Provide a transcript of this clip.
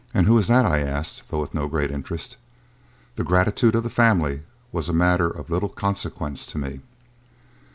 "And who is that?" I asked, though with no great interest. The gratitude of the family was a matter of little consequence to me.